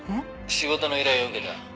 仕事の依頼を受けた。